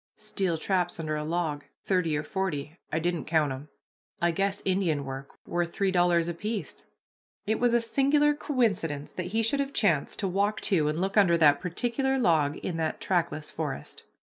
"Steel traps, under a log, thirty or forty, I didn't count 'em. I guess Indian work worth three dollars apiece." It was a singular coincidence that he should have chanced to walk to and look under that particular log in that trackless forest.